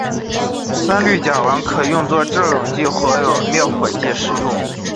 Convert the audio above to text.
三氟甲烷可用作制冷剂或灭火剂使用。